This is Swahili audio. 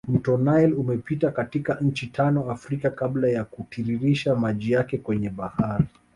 Mto nile umepita katika nchi tano Africa kabla ya kutiririsha maji yake kwenye bahari